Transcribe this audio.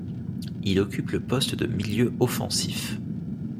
Il occupe le poste de milieu offensif.